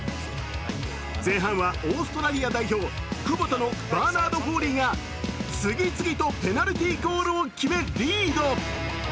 前半はオーストラリア代表クボタのバーナードが次々とペネルティーゴールを決めリード。